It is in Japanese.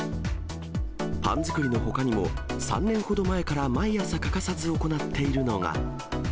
パン作りのほかにも、３年ほど前から毎朝欠かさず行っているのが。